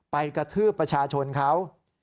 กระทืบประชาชนเขา